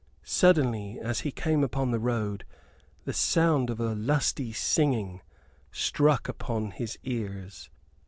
Suddenly, as he came upon the road, the sound of a lusty singing struck upon his ears.